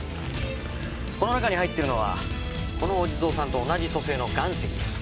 この中に入ってるのはこのお地蔵さんと同じ組成の岩石です。